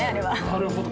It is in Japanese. なるほど。